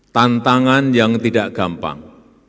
tantangan yang tidak gampang